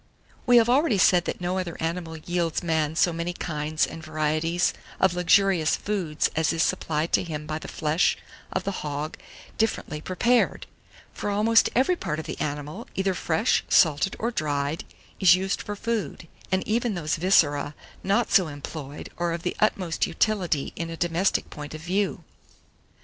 776. WE HAVE ALREADY SAID that no other animal yields man so many kinds and varieties of luxurious food as is supplied to him by the flesh of the hog differently prepared; for almost every part of the animal, either fresh, salted, or dried, is used for food; and even those viscera not so employed are of the utmost utility in a domestic point of view.